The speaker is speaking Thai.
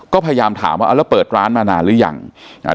ก็พยายามถามว่าเอาแล้วเปิดร้านมานานหรือยังอ่า